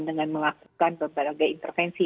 dengan melakukan beberapa intervensi